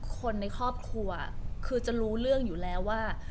คนในครอบครัวคือจะรู้เรื่องอยู่แล้วว่า